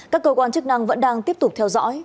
các cơ quan chức năng vẫn đang tiếp tục theo dõi